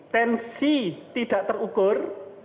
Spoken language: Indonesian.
tensi tidak terukur